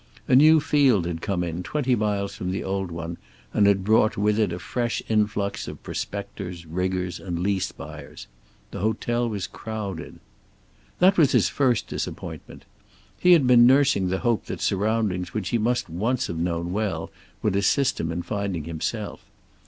A new field had come in, twenty miles from the old one, and had brought with it a fresh influx of prospectors, riggers, and lease buyers. The hotel was crowded. That was his first disappointment. He had been nursing the hope that surroundings which he must once have known well would assist him in finding himself.